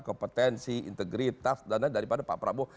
kompetensi integritas dan lain lain daripada pak prabowo